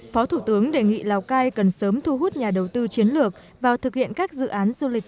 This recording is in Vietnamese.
phó thủ tướng đề nghị lào cai cần sớm thu hút nhà đầu tư chiến lược vào thực hiện các dự án du lịch